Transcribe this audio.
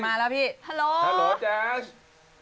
มาแล้วพี่ฮัลโหลฮัลโหลแจ๊ส